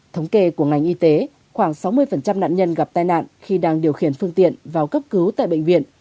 thống kê của ngành y tế khoảng sáu mươi nạn nhân gặp tai nạn khi đang điều khiển phương tiện vào cấp cứu tại bệnh viện